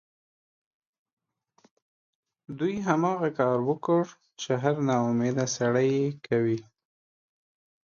دوی هماغه کار وکړ چې هر ناامیده سړی یې کوي